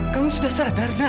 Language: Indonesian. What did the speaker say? kamu sudah sadar enggak